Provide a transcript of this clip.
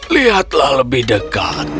lihatlah lebih dekat